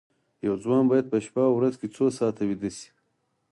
یو ځوان باید په شپه او ورځ کې څو ساعته ویده شي